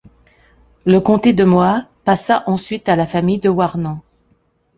Le comté de Moha passa ensuite à la famille de Warnant.